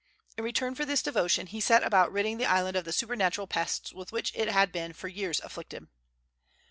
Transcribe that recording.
In return for this devotion he set about ridding the island of the supernatural pests with which it had been for years afflicted.